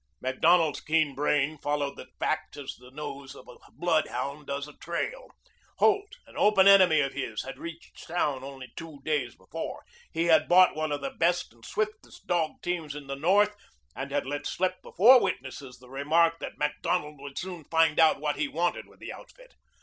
Macdonald's keen brain followed the facts as the nose of a bloodhound does a trail. Holt, an open enemy of his, had reached town only two days before. He had bought one of the best and swiftest dog teams in the North and had let slip before witnesses the remark that Macdonald would soon find out what he wanted with the outfit.